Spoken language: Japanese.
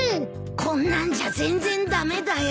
こんなんじゃ全然駄目だよ。